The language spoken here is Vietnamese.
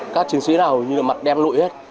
các chiến sĩ là hầu như mặt đem lụi hết